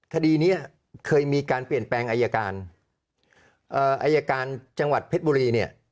คดีนี้เคยมีการเปลี่ยนแปลงอายการอายการจังหวัดเพชรบุรีเนี่ย